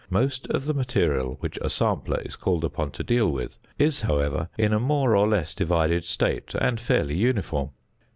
Most of the material which a sampler is called upon to deal with, is, however, in a more or less divided state and fairly uniform.